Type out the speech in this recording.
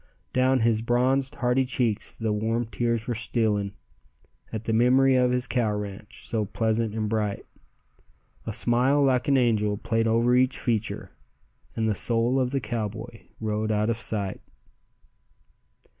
Down his bronzed hardy cheeks the warm tears were stealing, At the memory of his cow ranch, so pleasant and bright. A smile like an angel played over each feature, And the soul of the cowboy rode out of sight.